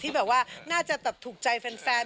ที่แบบว่าน่าจะถูกใจแฟน